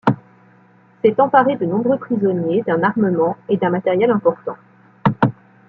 S'est emparé de nombreux prisonniers, d'un armement et d'un matériel important.